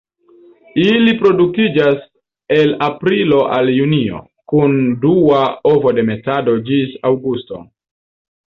Ili reproduktiĝas el aprilo al junio, kun dua ovodemetado ĝis aŭgusto.